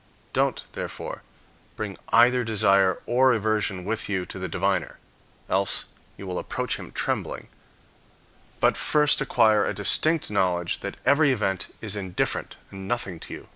Don't, therefore, bring either desire or aversion with you to the diviner (else you will approach him trembling), but first acquire a distinct knowledge that every event is indifferent and nothing to you.